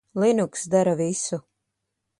Linux dara visu.